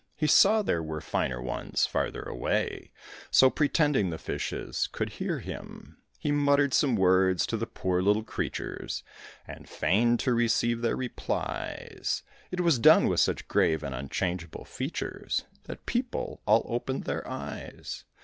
He saw there were finer ones farther away, So, pretending the fishes could hear him, He mutter'd some words to the poor little creatures, And feign'd to receive their replies. It was done with such grave and unchangeable features, That people all opened their eyes.